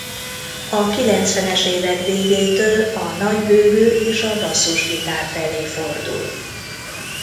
A kilencvenes évek végétől a nagybőgő és a basszusgitár felé fordul.